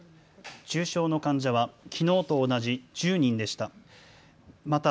重症の患者はきのうと同じ１０人でした。